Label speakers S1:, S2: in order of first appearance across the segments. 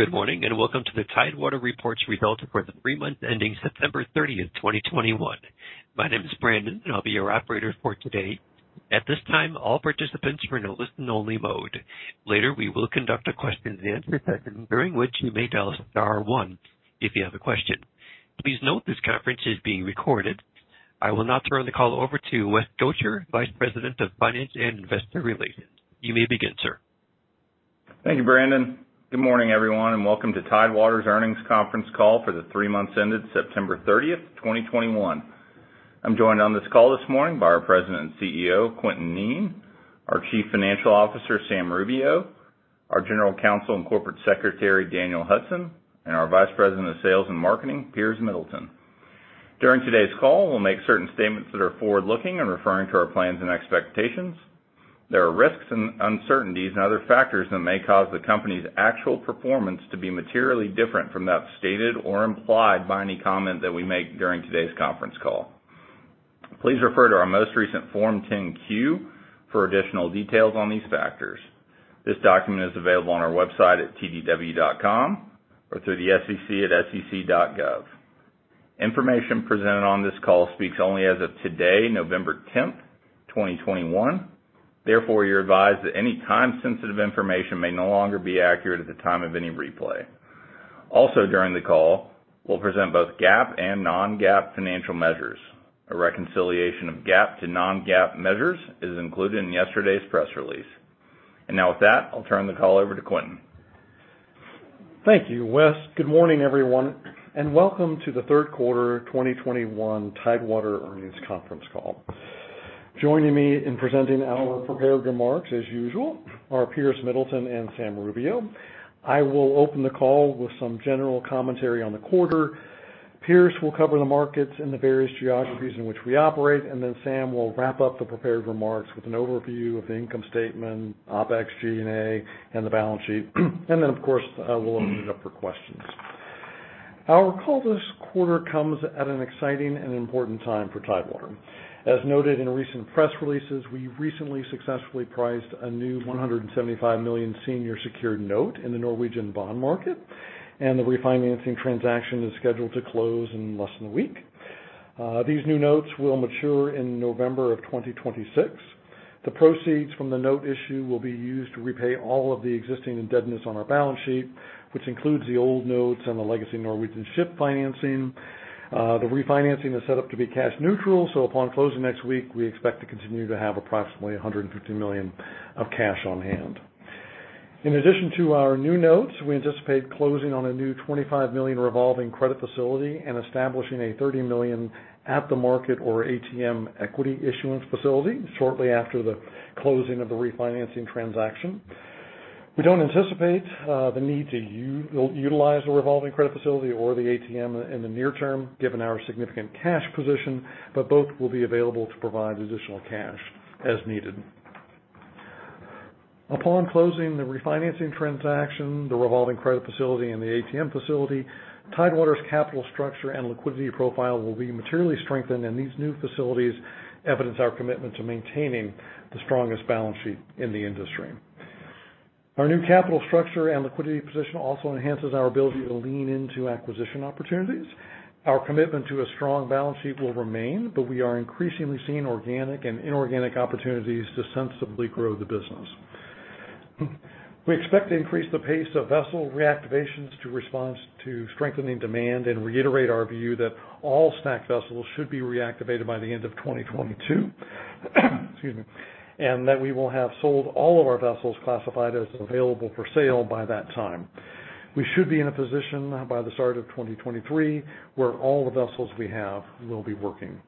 S1: Good morning, and welcome to the Tidewater reports results for the three months ending September 30, 2021. My name is Brandon, and I'll be your operator for today. At this time, all participants are in a listen-only mode. Later, we will conduct a question-and-answer session during which you may dial star one if you have a question. Please note this conference is being recorded. I will now turn the call over to West Gotcher, Vice President of Finance and Investor Relations. You may begin, sir.
S2: Thank you, Brandon. Good morning, everyone, and welcome to Tidewater's earnings conference call for the three months ended September 30, 2021. I'm joined on this call this morning by our President and CEO, Quintin Kneen, our Chief Financial Officer, Sam Rubio, our General Counsel and Corporate Secretary, Daniel Hudson, and our Vice President of Sales and Marketing, Piers Middleton. During today's call, we'll make certain statements that are forward-looking and referring to our plans and expectations. There are risks and uncertainties and other factors that may cause the company's actual performance to be materially different from that stated or implied by any comment that we make during today's conference call. Please refer to our most recent Form 10-Q for additional details on these factors. This document is available on our website at tdw.com or through the SEC at sec.gov. Information presented on this call speaks only as of today, November 10th, 2021. Therefore, you're advised that any time-sensitive information may no longer be accurate at the time of any replay. Also, during the call, we'll present both GAAP and non-GAAP financial measures. A reconciliation of GAAP to non-GAAP measures is included in yesterday's press release. Now with that, I'll turn the call over to Quintin.
S3: Thank you, Wes. Good morning, everyone, and welcome to the third quarter 2021 Tidewater earnings conference call. Joining me in presenting our prepared remarks, as usual, are Piers Middleton and Sam Rubio. I will open the call with some general commentary on the quarter. Piers will cover the markets in the various geographies in which we operate, and then Sam will wrap up the prepared remarks with an overview of the income statement, OpEx, G&A, and the balance sheet. Then, of course, we'll open it up for questions. Our call this quarter comes at an exciting and important time for Tidewater. As noted in recent press releases, we recently successfully priced a new $175 million senior secured note in the Norwegian bond market, and the refinancing transaction is scheduled to close in less than a week. These new notes will mature in November of 2026. The proceeds from the note issue will be used to repay all of the existing indebtedness on our balance sheet, which includes the old notes and the legacy Norwegian ship financing. The refinancing is set up to be cash neutral, so upon closing next week, we expect to continue to have approximately $150 million of cash on hand. In addition to our new notes, we anticipate closing on a new $25 million revolving credit facility and establishing a $30 million at-the-market or ATM equity issuance facility shortly after the closing of the refinancing transaction. We don't anticipate the need to utilize the revolving credit facility or the ATM in the near term, given our significant cash position, but both will be available to provide additional cash as needed. Upon closing the refinancing transaction, the revolving credit facility, and the ATM facility, Tidewater's capital structure and liquidity profile will be materially strengthened, and these new facilities evidence our commitment to maintaining the strongest balance sheet in the industry. Our new capital structure and liquidity position also enhances our ability to lean into acquisition opportunities. Our commitment to a strong balance sheet will remain, but we are increasingly seeing organic and inorganic opportunities to sensibly grow the business. We expect to increase the pace of vessel reactivations in response to strengthening demand and reiterate our view that all stacked vessels should be reactivated by the end of 2022. Excuse me. That we will have sold all of our vessels classified as available for sale by that time. We should be in a position by the start of 2023 where all the vessels we have will be working.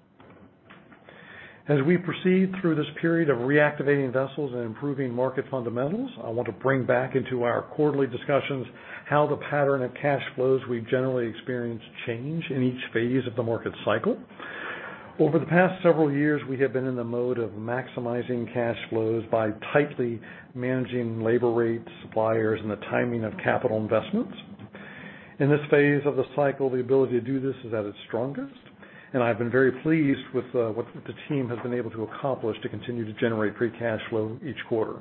S3: As we proceed through this period of reactivating vessels and improving market fundamentals, I want to bring back into our quarterly discussions how the pattern of cash flows we've generally experienced change in each phase of the market cycle. Over the past several years, we have been in the mode of maximizing cash flows by tightly managing labor rates, suppliers, and the timing of capital investments. In this phase of the cycle, the ability to do this is at its strongest, and I've been very pleased with what the team has been able to accomplish to continue to generate free cash flow each quarter.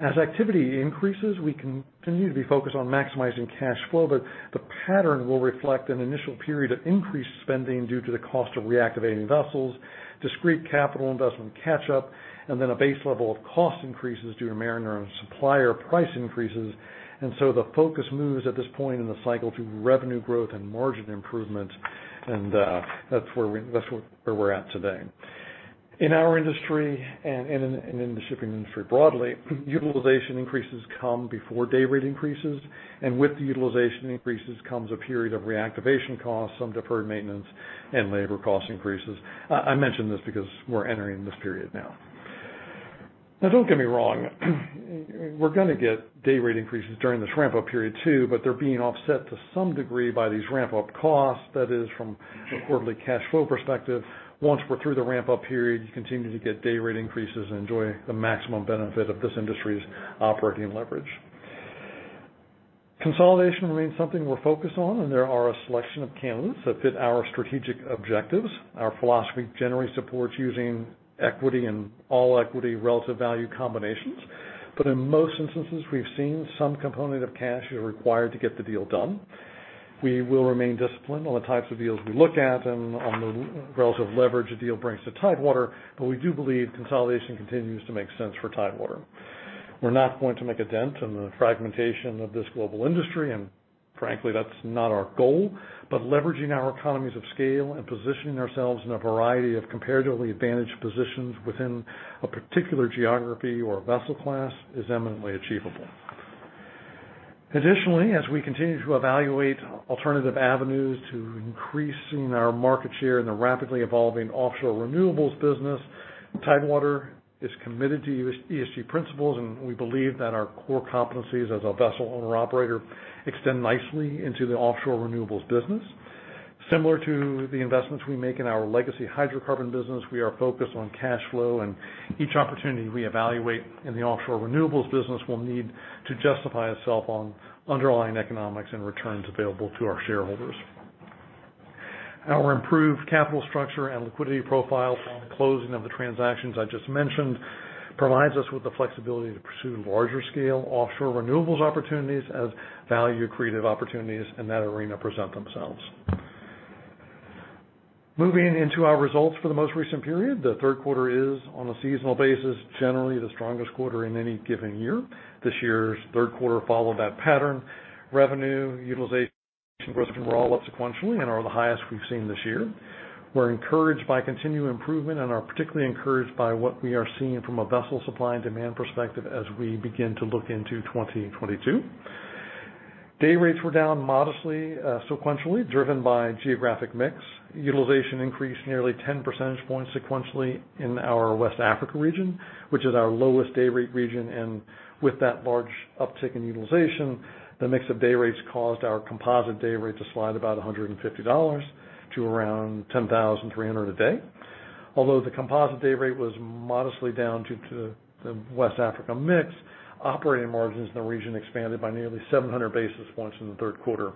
S3: As activity increases, we continue to be focused on maximizing cash flow, but the pattern will reflect an initial period of increased spending due to the cost of reactivating vessels, discrete capital investment catch-up, and then a base level of cost increases due to mariner and supplier price increases. The focus moves at this point in the cycle to revenue growth and margin improvement, and that's where we're at today. In our industry and in the shipping industry broadly, utilization increases come before day rate increases, and with the utilization increases comes a period of reactivation costs, some deferred maintenance, and labor cost increases. I mention this because we're entering this period now. Now, don't get me wrong, we're gonna get day rate increases during this ramp-up period too, but they're being offset to some degree by these ramp-up costs. That is, from a quarterly cash flow perspective. Once we're through the ramp-up period, you continue to get day rate increases and enjoy the maximum benefit of this industry's operating leverage. Consolidation remains something we're focused on, and there are a selection of candidates that fit our strategic objectives. Our philosophy generally supports using equity and all-equity relative value combinations, but in most instances, we've seen some component of cash is required to get the deal done. We will remain disciplined on the types of deals we look at and on the relative leverage a deal brings to Tidewater, but we do believe consolidation continues to make sense for Tidewater. We're not going to make a dent in the fragmentation of this global industry, and frankly, that's not our goal. Leveraging our economies of scale and positioning ourselves in a variety of comparatively advantaged positions within a particular geography or vessel class is eminently achievable. Additionally, as we continue to evaluate alternative avenues to increasing our market share in the rapidly evolving offshore renewables business, Tidewater is committed to ESG principles, and we believe that our core competencies as a vessel owner-operator extend nicely into the offshore renewables business. Similar to the investments we make in our legacy hydrocarbon business, we are focused on cash flow, and each opportunity we evaluate in the offshore renewables business will need to justify itself on underlying economics and returns available to our shareholders. Our improved capital structure and liquidity profile from the closing of the transactions I just mentioned provides us with the flexibility to pursue larger scale offshore renewables opportunities as value creative opportunities in that arena present themselves. Moving into our results for the most recent period. The third quarter is, on a seasonal basis, generally the strongest quarter in any given year. This year's third quarter followed that pattern. Revenue, utilization, growth were all up sequentially and are the highest we've seen this year. We're encouraged by continued improvement and are particularly encouraged by what we are seeing from a vessel supply and demand perspective as we begin to look into 2022. Day rates were down modestly, sequentially, driven by geographic mix. Utilization increased nearly 10 percentage points sequentially in our West Africa region, which is our lowest day rate region. With that large uptick in utilization, the mix of day rates caused our composite day rate to slide about $150 to around $10,300 a day. Although the composite day rate was modestly down due to the West Africa mix, operating margins in the region expanded by nearly 700 basis points in the third quarter.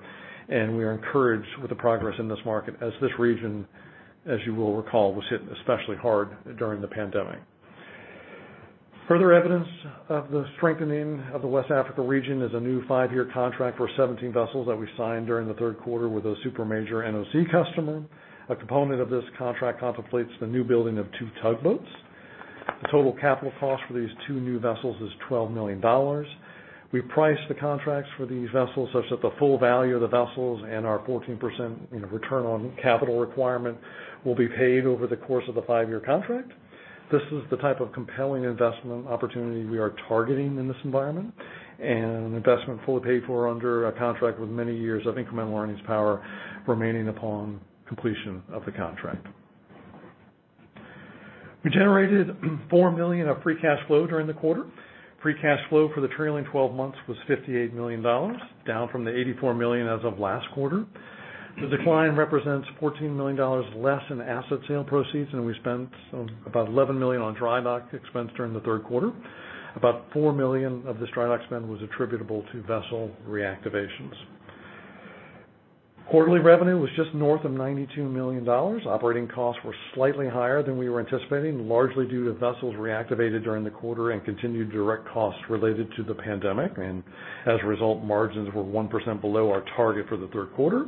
S3: We are encouraged with the progress in this market as this region, as you will recall, was hit especially hard during the pandemic. Further evidence of the strengthening of the West Africa region is a new five-year contract for 17 vessels that we signed during the third quarter with a super major NOC customer. A component of this contract contemplates the new building of two tugboats. The total capital cost for these two new vessels is $12 million. We priced the contracts for these vessels such that the full value of the vessels and our 14% return on capital requirement will be paid over the course of the five-year contract. This is the type of compelling investment opportunity we are targeting in this environment, and an investment fully paid for under a contract with many years of incremental earnings power remaining upon completion of the contract. We generated $4 million of free cash flow during the quarter. Free cash flow for the trailing twelve months was $58 million, down from the $84 million as of last quarter. The decline represents $14 million less in asset sale proceeds, and we spent about $11 million on dry dock expense during the third quarter. About $4 million of this dry dock spend was attributable to vessel reactivations. Quarterly revenue was just north of $92 million. Operating costs were slightly higher than we were anticipating, largely due to vessels reactivated during the quarter and continued direct costs related to the pandemic. As a result, margins were 1% below our target for the third quarter.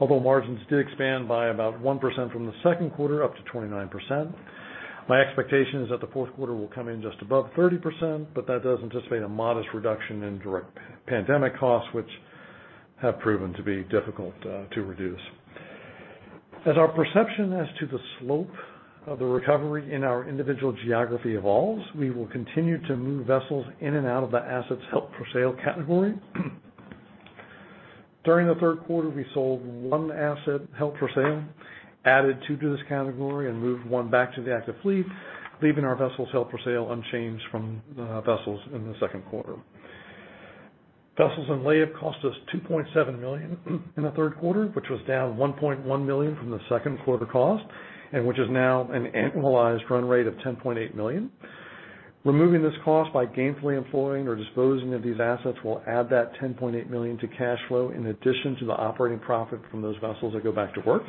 S3: Although margins did expand by about 1% from the second quarter up to 29%. My expectation is that the fourth quarter will come in just above 30%. That does anticipate a modest reduction in direct pandemic costs, which have proven to be difficult to reduce. As our perception as to the slope of the recovery in our individual geography evolves, we will continue to move vessels in and out of the assets held for sale category. During the third quarter, we sold one asset held for sale, added two to this category, and moved one back to the active fleet, leaving our vessels held for sale unchanged from vessels in the second quarter. Vessels in layup cost us $2.7 million in the third quarter, which was down $1.1 million from the second quarter cost, and which is now an annualized run rate of $10.8 million. Removing this cost by gainfully employing or disposing of these assets will add that $10.8 million to cash flow in addition to the operating profit from those vessels that go back to work.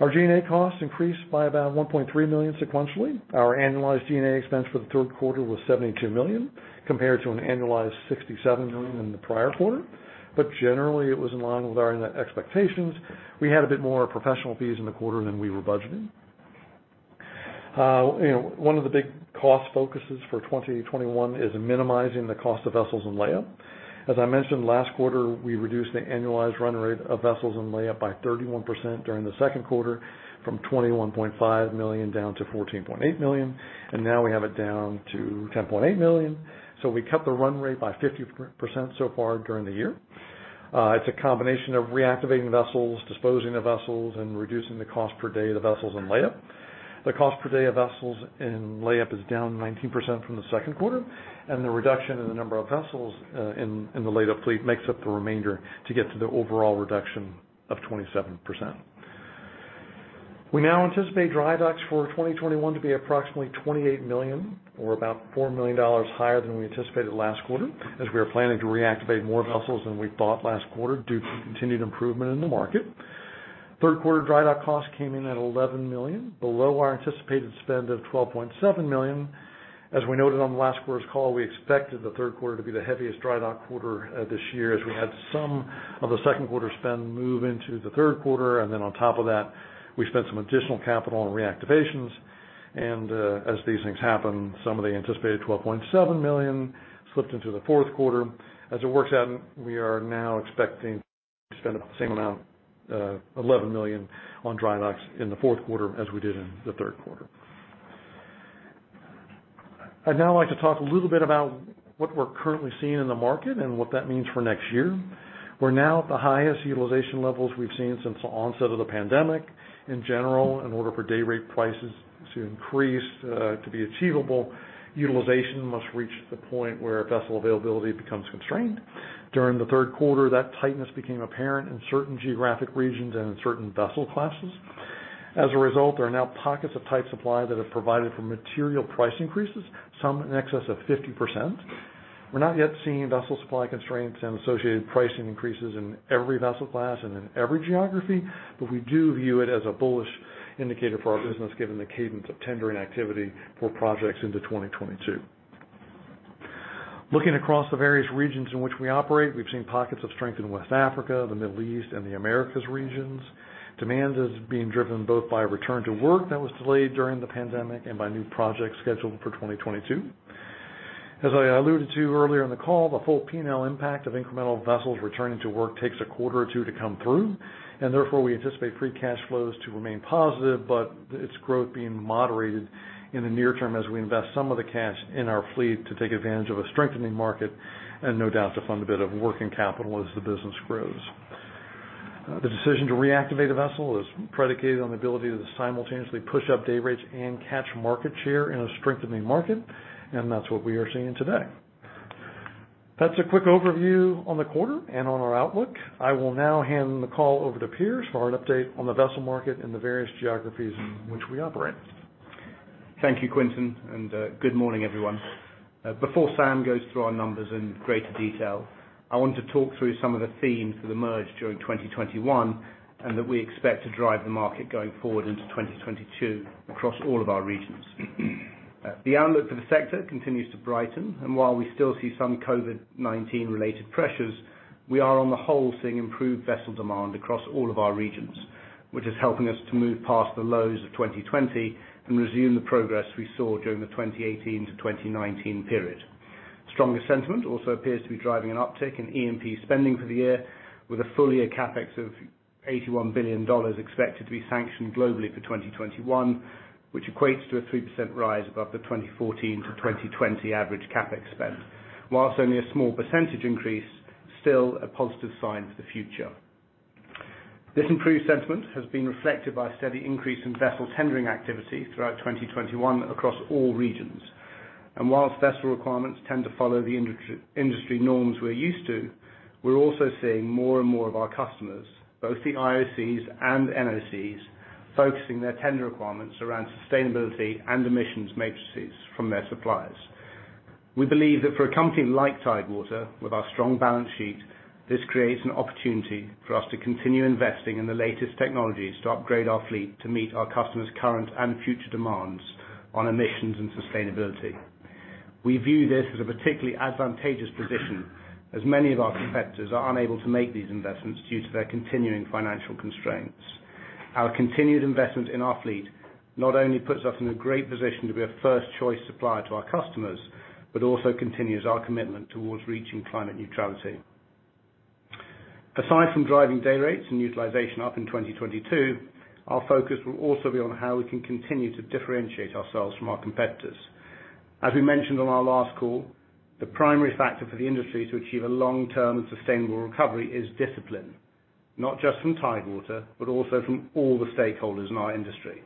S3: Our G&A costs increased by about $1.3 million sequentially. Our annualized G&A expense for the third quarter was $72 million, compared to an annualized $67 million in the prior quarter. Generally, it was in line with our net expectations. We had a bit more professional fees in the quarter than we were budgeting. You know, one of the big cost focuses for 2021 is minimizing the cost of vessels in layup. As I mentioned last quarter, we reduced the annualized run rate of vessels in layup by 31% during the second quarter from $21.5 million down to $14.8 million, and now we have it down to $10.8 million. We cut the run rate by 50% so far during the year. It's a combination of reactivating vessels, disposing of vessels, and reducing the cost per day of the vessels in layup. The cost per day of vessels in layup is down 19% from the second quarter, and the reduction in the number of vessels in the laid-up fleet makes up the remainder to get to the overall reduction of 27%. We now anticipate dry docks for 2021 to be approximately $28 million, or about $4 million higher than we anticipated last quarter, as we are planning to reactivate more vessels than we thought last quarter due to continued improvement in the market. Third quarter dry dock costs came in at $11 million, below our anticipated spend of $12.7 million. As we noted on last quarter's call, we expected the third quarter to be the heaviest dry dock quarter, this year as we had some of the second quarter spend move into the third quarter. As these things happen, some of the anticipated $12.7 million slipped into the fourth quarter. As it works out, we are now expecting to spend about the same amount, $11 million on dry docks in the fourth quarter as we did in the third quarter. I'd now like to talk a little bit about what we're currently seeing in the market and what that means for next year. We're now at the highest utilization levels we've seen since the onset of the pandemic. In general, in order for day rate prices to increase, to be achievable, utilization must reach the point where vessel availability becomes constrained. During the third quarter, that tightness became apparent in certain geographic regions and in certain vessel classes. As a result, there are now pockets of tight supply that have provided for material price increases, some in excess of 50%. We're not yet seeing vessel supply constraints and associated pricing increases in every vessel class and in every geography, but we do view it as a bullish indicator for our business, given the cadence of tendering activity for projects into 2022. Looking across the various regions in which we operate, we've seen pockets of strength in West Africa, the Middle East, and the Americas regions. Demand is being driven both by a return to work that was delayed during the pandemic and by new projects scheduled for 2022. As I alluded to earlier in the call, the full P&L impact of incremental vessels returning to work takes a quarter or two to come through, and therefore, we anticipate free cash flows to remain positive, but its growth being moderated in the near term as we invest some of the cash in our fleet to take advantage of a strengthening market and no doubt to fund a bit of working capital as the business grows. The decision to reactivate a vessel is predicated on the ability to simultaneously push up day rates and catch market share in a strengthening market, and that's what we are seeing today. That's a quick overview on the quarter and on our outlook. I will now hand the call over to Piers for an update on the vessel market and the various geographies in which we operate.
S4: Thank you, Quintin, and good morning, everyone. Before Sam goes through our numbers in greater detail, I want to talk through some of the themes that emerged during 2021 and that we expect to drive the market going forward into 2022 across all of our regions. The outlook for the sector continues to brighten, and while we still see some COVID-19 related pressures, we are on the whole seeing improved vessel demand across all of our regions, which is helping us to move past the lows of 2020 and resume the progress we saw during the 2018 to 2019 period. Stronger sentiment also appears to be driving an uptick in E&P spending for the year with a full-year CapEx of $81 billion expected to be sanctioned globally for 2021, which equates to a 3% rise above the 2014-2020 average CapEx spend. While only a small percentage increase, still a positive sign for the future. This improved sentiment has been reflected by a steady increase in vessel tendering activity throughout 2021 across all regions. While vessel requirements tend to follow the industry norms we're used to, we're also seeing more and more of our customers, both the IOCs and NOCs, focusing their tender requirements around sustainability and emissions metrics from their suppliers. We believe that for a company like Tidewater, with our strong balance sheet, this creates an opportunity for us to continue investing in the latest technologies to upgrade our fleet to meet our customers' current and future demands on emissions and sustainability. We view this as a particularly advantageous position as many of our competitors are unable to make these investments due to their continuing financial constraints. Our continued investment in our fleet not only puts us in a great position to be a first choice supplier to our customers, but also continues our commitment towards reaching climate neutrality. Aside from driving day rates and utilization up in 2022, our focus will also be on how we can continue to differentiate ourselves from our competitors. As we mentioned on our last call, the primary factor for the industry to achieve a long-term and sustainable recovery is discipline, not just from Tidewater, but also from all the stakeholders in our industry.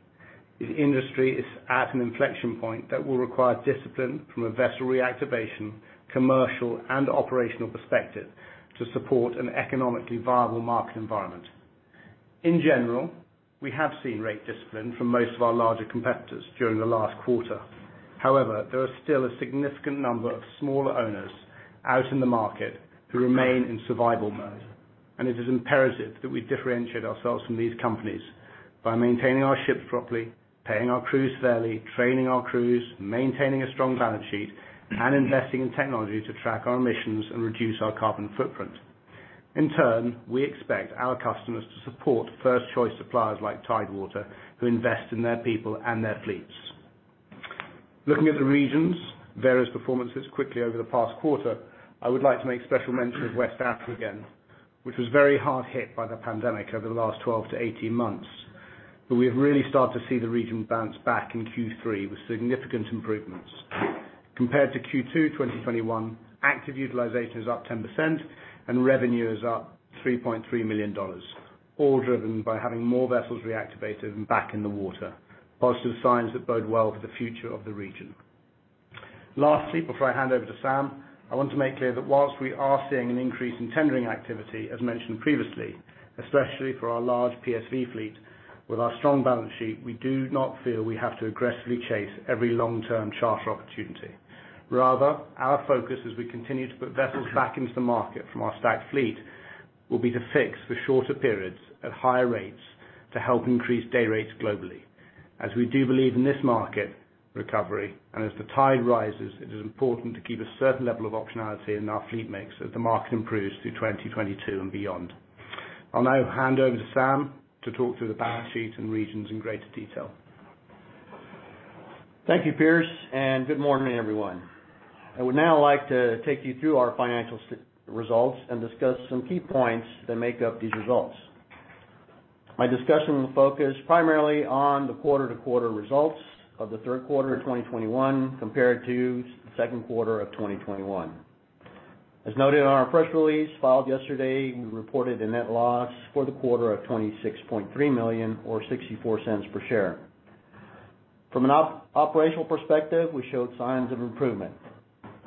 S4: This industry is at an inflection point that will require discipline from a vessel reactivation, commercial, and operational perspective to support an economically viable market environment. In general, we have seen rate discipline from most of our larger competitors during the last quarter. However, there are still a significant number of smaller owners out in the market who remain in survival mode, and it is imperative that we differentiate ourselves from these companies by maintaining our ships properly, paying our crews fairly, training our crews, maintaining a strong balance sheet, and investing in technology to track our emissions and reduce our carbon footprint. In turn, we expect our customers to support first choice suppliers like Tidewater, who invest in their people and their fleets. Looking at the regions' various performances quickly over the past quarter, I would like to make special mention of West Africa again, which was very hard hit by the pandemic over the last twelve to eighteen months. We have really started to see the region bounce back in Q3 with significant improvements. Compared to Q2 2021, active utilization is up 10%, and revenue is up $3.3 million, all driven by having more vessels reactivated and back in the water. Positive signs that bode well for the future of the region. Lastly, before I hand over to Sam, I want to make clear that while we are seeing an increase in tendering activity, as mentioned previously, especially for our large PSV fleet. With our strong balance sheet, we do not feel we have to aggressively chase every long-term charter opportunity. Rather, our focus as we continue to put vessels back into the market from our stacked fleet, will be to fix for shorter periods at higher rates to help increase day rates globally. As we do believe in this market recovery and as the tide rises, it is important to keep a certain level of optionality in our fleet mix as the market improves through 2022 and beyond. I'll now hand over to Sam to talk through the balance sheet and regions in greater detail.
S5: Thank you, Piers, and good morning, everyone. I would now like to take you through our financial results and discuss some key points that make up these results. My discussion will focus primarily on the quarter-to-quarter results of the third quarter of 2021 compared to second quarter of 2021. As noted in our press release filed yesterday, we reported a net loss for the quarter of $26.3 million or $0.64 per share. From an operational perspective, we showed signs of improvement.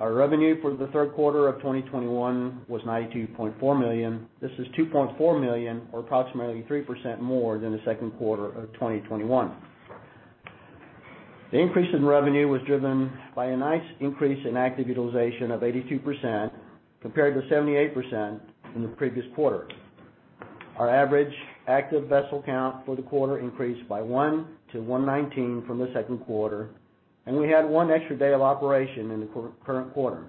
S5: Our revenue for the third quarter of 2021 was $92.4 million. This is $2.4 million or approximately 3% more than the second quarter of 2021. The increase in revenue was driven by a nice increase in active utilization of 82% compared to 78% in the previous quarter. Our average active vessel count for the quarter increased by one to 119 from the second quarter, and we had one extra day of operation in the current quarter.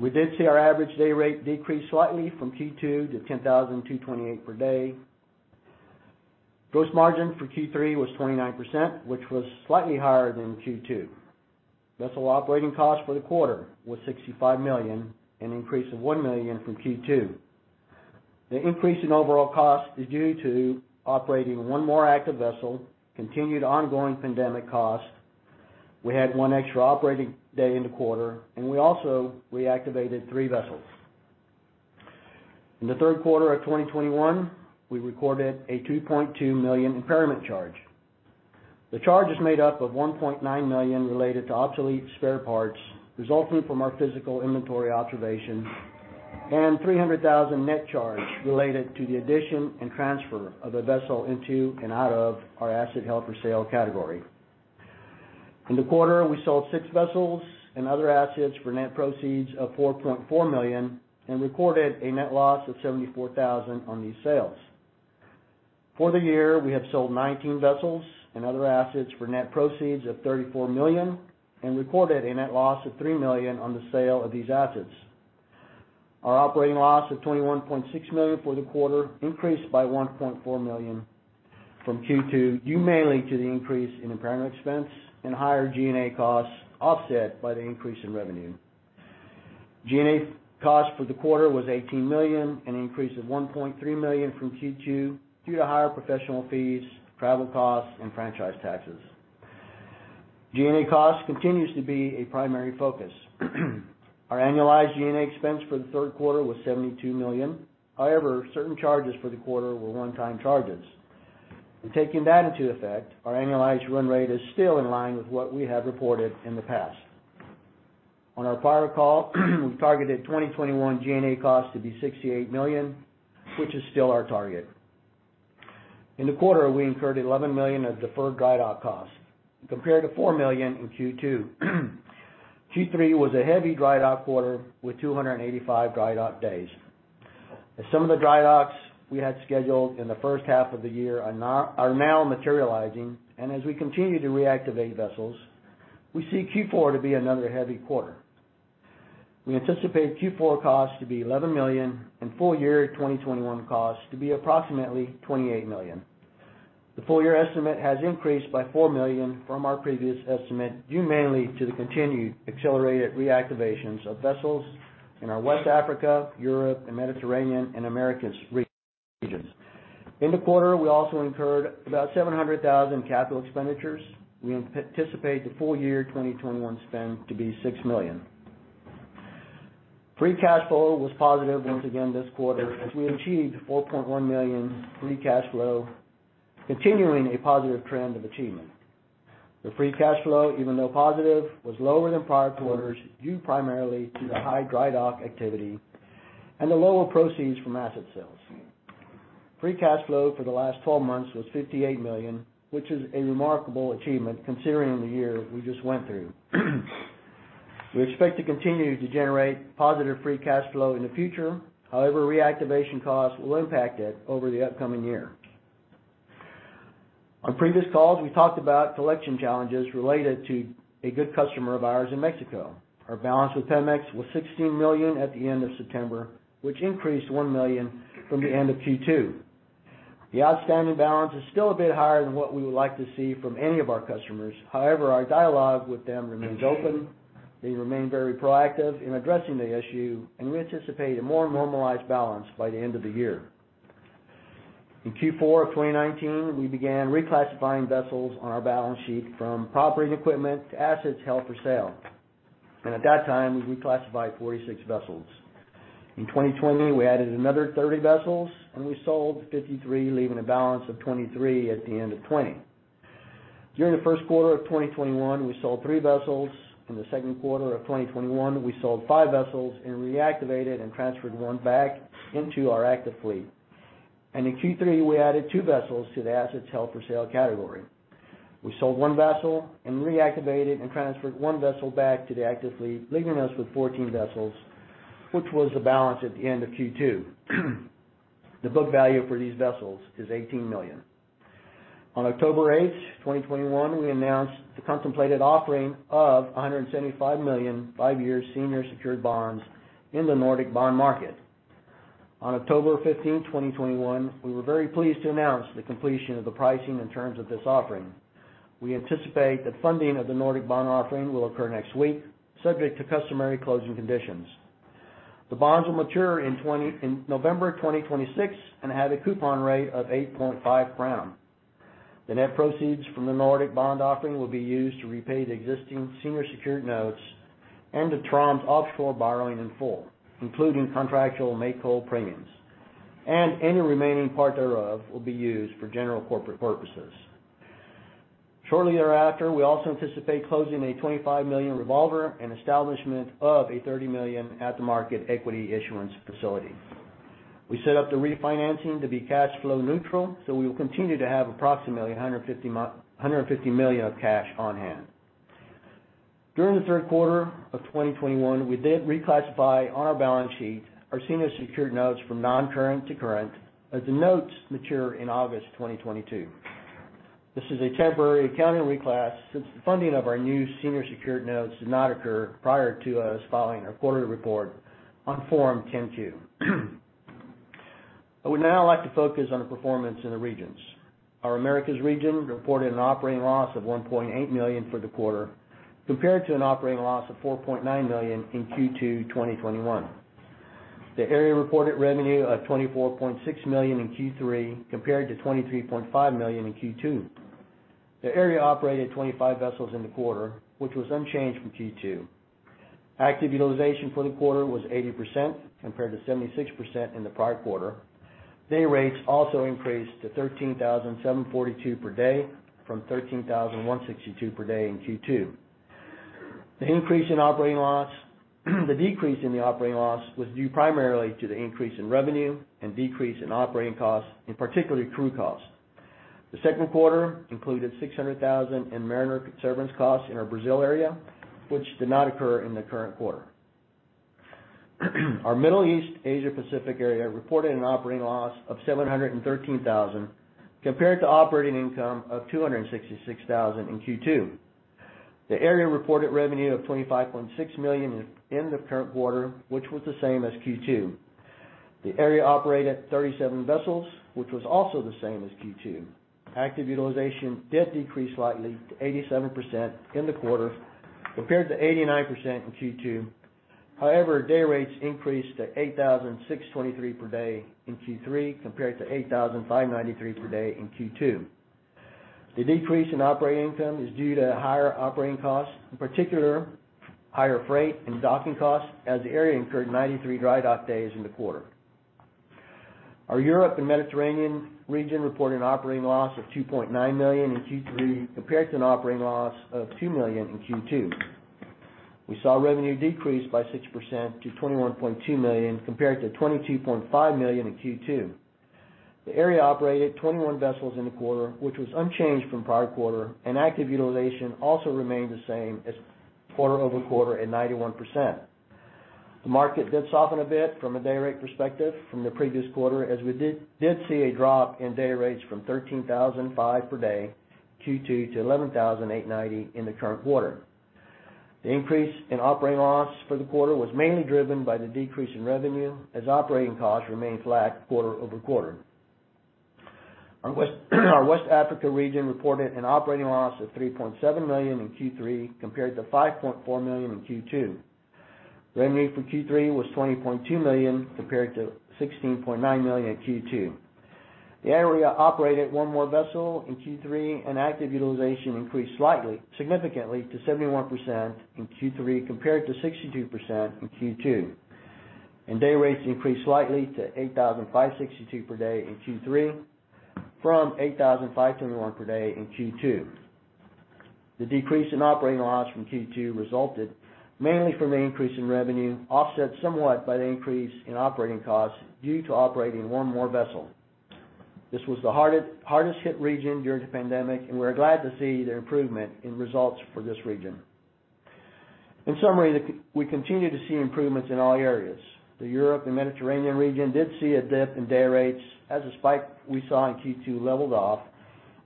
S5: We did see our average day rate decrease slightly from Q2 to 10,228 per day. Gross margin for Q3 was 29%, which was slightly higher than Q2. Vessel operating costs for the quarter was $65 million, an increase of $1 million from Q2. The increase in overall cost is due to operating one more active vessel, continued ongoing pandemic costs. We had one extra operating day in the quarter, and we also reactivated three vessels. In the third quarter of 2021, we recorded a $2.2 million impairment charge. The charge is made up of $1.9 million related to obsolete spare parts resulting from our physical inventory observations and $300,000 net charge related to the addition and transfer of a vessel into and out of our asset held for sale category. In the quarter, we sold six vessels and other assets for net proceeds of $4.4 million and recorded a net loss of $74,000 on these sales. For the year, we have sold 19 vessels and other assets for net proceeds of $34 million and recorded a net loss of $3 million on the sale of these assets. Our operating loss of $21.6 million for the quarter increased by $1.4 million from Q2, due mainly to the increase in impairment expense and higher G&A costs offset by the increase in revenue. G&A costs for the quarter was $18 million, an increase of $1.3 million from Q2 due to higher professional fees, travel costs, and franchise taxes. G&A cost continues to be a primary focus. Our annualized G&A expense for the third quarter was $72 million. However, certain charges for the quarter were one-time charges. In taking that into effect, our annualized run rate is still in line with what we have reported in the past. On our prior call, we targeted 2021 G&A cost to be $68 million, which is still our target. In the quarter, we incurred $11 million of deferred dry dock costs compared to $4 million in Q2. Q3 was a heavy dry dock quarter with 285 dry dock days. As some of the dry docks we had scheduled in the first half of the year are now materializing, and as we continue to reactivate vessels, we see Q4 to be another heavy quarter. We anticipate Q4 costs to be $11 million and full year 2021 costs to be approximately $28 million. The full year estimate has increased by $4 million from our previous estimate, due mainly to the continued accelerated reactivations of vessels in our West Africa, Europe, and Mediterranean, and Americas regions. In the quarter, we also incurred about $700,000 capital expenditures. We anticipate the full year 2021 spend to be $6 million. Free cash flow was positive once again this quarter as we achieved $4.1 million free cash flow, continuing a positive trend of achievement. The free cash flow, even though positive, was lower than prior quarters, due primarily to the high dry dock activity and the lower proceeds from asset sales. Free cash flow for the last 12 months was $58 million, which is a remarkable achievement considering the year we just went through. We expect to continue to generate positive free cash flow in the future. However, reactivation costs will impact it over the upcoming year. On previous calls, we talked about collection challenges related to a good customer of ours in Mexico. Our balance with Pemex was $16 million at the end of September, which increased $1 million from the end of Q2. The outstanding balance is still a bit higher than what we would like to see from any of our customers. However, our dialogue with them remains open. They remain very proactive in addressing the issue, and we anticipate a more normalized balance by the end of the year. In Q4 of 2019, we began reclassifying vessels on our balance sheet from property and equipment to assets held for sale. At that time, we reclassified 46 vessels. In 2020, we added another 30 vessels and we sold 53, leaving a balance of 23 at the end of 2020. During the first quarter of 2021, we sold three vessels. In the second quarter of 2021, we sold five vessels and reactivated and transferred one back into our active fleet. In Q3, we added two vessels to the assets held for sale category. We sold one vessel and reactivated and transferred one vessel back to the active fleet, leaving us with 14 vessels, which was the balance at the end of Q2. The book value for these vessels is $18 million. On October 8, 2021, we announced the contemplated offering of $175 million five-year senior secured bonds in the Nordic bond market. On October 15, 2021, we were very pleased to announce the completion of the pricing and terms of this offering. We anticipate that funding of the Nordic bond offering will occur next week, subject to customary closing conditions. The bonds will mature in November of 2026 and have a coupon rate of 8.5%. The net proceeds from the Nordic bond offering will be used to repay the existing senior secured notes and the Troms Offshore borrowing in full, including contractual make-whole call premiums, and any remaining part thereof will be used for general corporate purposes. Shortly thereafter, we also anticipate closing a $25 million revolver and establishment of a $30 million at-the-market equity issuance facility. We set up the refinancing to be cash flow neutral, so we will continue to have approximately $150 million of cash on hand. During the third quarter of 2021, we did reclassify on our balance sheet our senior secured notes from non-current to current as the notes mature in August 2022. This is a temporary accounting reclass since the funding of our new senior secured notes did not occur prior to us filing our quarterly report on Form 10-Q. I would now like to focus on the performance in the regions. Our Americas region reported an operating loss of $1.8 million for the quarter, compared to an operating loss of $4.9 million in Q2 2021. The area reported revenue of $24.6 million in Q3, compared to $23.5 million in Q2. The area operated 25 vessels in the quarter, which was unchanged from Q2. Active utilization for the quarter was 80%, compared to 76% in the prior quarter. Day rates also increased to 13,742 per day from 13,162 per day in Q2. The decrease in the operating loss was due primarily to the increase in revenue and decrease in operating costs, in particular crew costs. The second quarter included $600,000 in mariner redundancy costs in our Brazil area, which did not occur in the current quarter. Our Middle East Asia Pacific area reported an operating loss of $713,000, compared to operating income of $266,000 in Q2. The area reported revenue of $25.6 million in the current quarter, which was the same as Q2. The area operated 37 vessels, which was also the same as Q2. Active utilization did decrease slightly to 87% in the quarter, compared to 89% in Q2. However, day rates increased to 8,623 per day in Q3, compared to 8,593 per day in Q2. The decrease in operating income is due to higher operating costs, in particular higher freight and docking costs, as the area incurred 93 dry dock days in the quarter. Our Europe and Mediterranean region reported an operating loss of $2.9 million in Q3, compared to an operating loss of $2 million in Q2. We saw revenue decrease by 6% to $21.2 million, compared to $22.5 million in Q2. The area operated 21 vessels in the quarter, which was unchanged from prior quarter, and active utilization also remained the same as quarter-over-quarter at 91%. The market did soften a bit from a day rate perspective from the previous quarter, as we did see a drop in day rates from $13,500 per day Q2 to $11,890 in the current quarter. The increase in operating loss for the quarter was mainly driven by the decrease in revenue as operating costs remained flat quarter-over-quarter. Our West Africa region reported an operating loss of $3.7 million in Q3, compared to $5.4 million in Q2. Revenue for Q3 was $20.2 million, compared to $16.9 million in Q2. The area operated one more vessel in Q3, and active utilization increased slightly, significantly to 71% in Q3, compared to 62% in Q2. Day rates increased slightly to $8,562 per day in Q3 from $8,521 per day in Q2. The decrease in operating loss from Q2 resulted mainly from the increase in revenue, offset somewhat by the increase in operating costs due to operating one more vessel. This was the hardest hit region during the pandemic, and we're glad to see the improvement in results for this region. In summary, we continue to see improvements in all areas. The Europe and Mediterranean region did see a dip in day rates as the spike we saw in Q2 leveled off,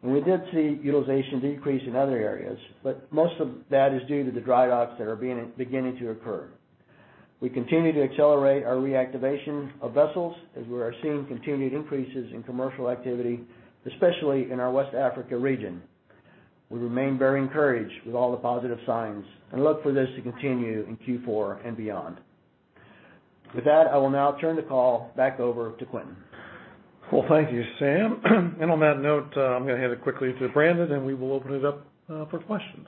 S5: and we did see utilization decrease in other areas, but most of that is due to the dry docks beginning to occur. We continue to accelerate our reactivation of vessels as we are seeing continued increases in commercial activity, especially in our West Africa region. We remain very encouraged with all the positive signs and look for this to continue in Q4 and beyond. With that, I will now turn the call back over to Quintin.
S3: Well, thank you, Sam. On that note, I'm gonna hand it quickly to Brandon, and we will open it up for questions.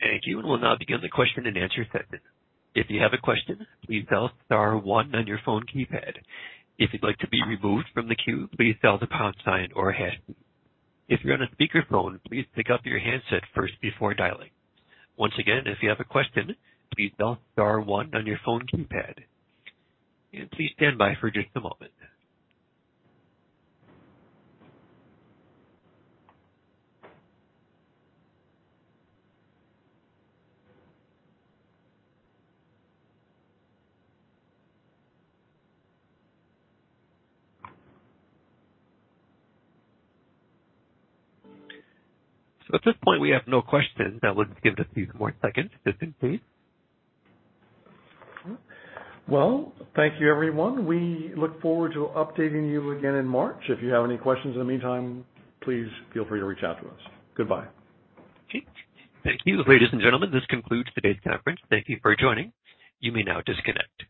S1: Thank you. We'll now begin the question and answer segment. If you have a question, please dial star one on your phone keypad. If you'd like to be removed from the queue, please dial the pound sign or hash. If you're on a speakerphone, please pick up your handset first before dialing. Once again, if you have a question, please dial star one on your phone keypad. Please stand by for just a moment. At this point we have no questions. Now, let's give it a few more seconds just in case.
S3: Well, thank you, everyone. We look forward to updating you again in March. If you have any questions in the meantime, please feel free to reach out to us. Goodbye.
S1: Okay. Thank you, ladies and gentlemen. This concludes today's conference. Thank you for joining. You may now disconnect.